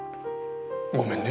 ごめんね。